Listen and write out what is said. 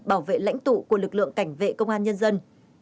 bảo vệ lãnh tụ của lực lượng cảnh vệ công an nhân dân